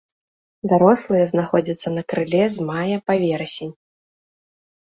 Дарослыя знаходзяцца на крыле з мая па верасень.